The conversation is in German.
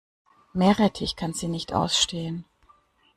Meerrettich kann sie nicht ausstehen.